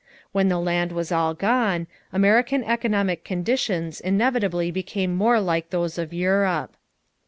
When the land was all gone, American economic conditions inevitably became more like those of Europe.